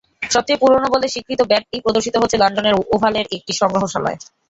সবচেয়ে পুরোনো বলে স্বীকৃত ব্যাটটি প্রদর্শিত হচ্ছে লন্ডনের ওভালের একটি সংগ্রহশালায়।